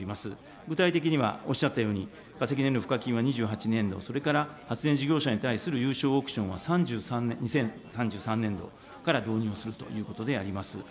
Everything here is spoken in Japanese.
具体的にはおっしゃったように、化石燃料賦課金は２８年度、それから発電事業者に対する有償オークションは２０３３年度から導入をするということであります。